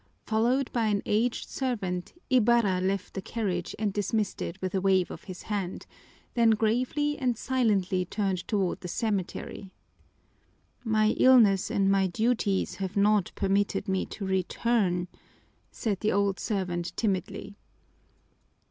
Followed by an aged servant, Ibarra left the carriage and dismissed it with a wave of his hand, then gravely and silently turned toward the cemetery. "My illness and my duties have not permitted me to return," said the old servant timidly.